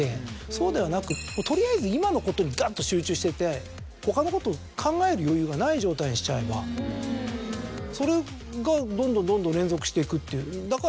そうではなく取りあえず今のことにガっと集中してて他のことを考える余裕がない状態にしちゃえばそれがどんどんどんどん連続していくっていう。